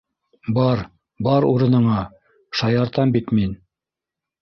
- Бар, бар урыныңа, шаяртам бит мин